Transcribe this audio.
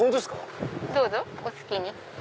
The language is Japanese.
どうぞお好きに。